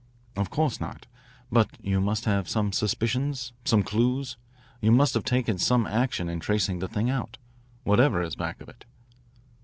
"Of course not. But you must have some suspicions, some clues. You must have taken some action in tracing the thing out, whatever is back of it."